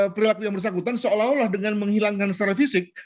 perilaku yang bersangkutan seolah olah dengan menghilangkan secara fisik